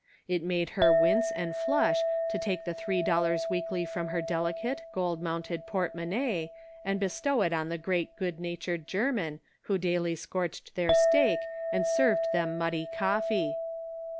It made her wince and flush to take the three dollars weekly from her delicate, gold mounted portmonnaie and bestow it on the great good natured Ger Cake and Benevolence. 61 man who daily scorched their steak and served them muddy coffee.